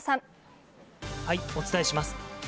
お伝えします。